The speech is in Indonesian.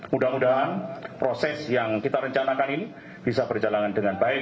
mudah mudahan proses yang kita rencanakan ini bisa berjalan dengan baik